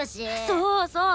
そうそう！